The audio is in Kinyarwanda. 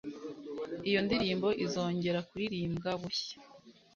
iyo ndirimbo izongera kuririmbwa bushya,